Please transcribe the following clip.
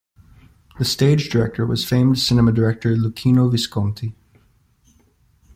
The stage director was famed cinema director Luchino Visconti.